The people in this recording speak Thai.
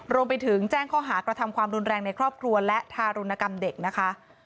รวมไปถึงแจ้งข้อหากระทำความรุนแรงในครอบครัวและทารุณกรรมเด็กนะคะ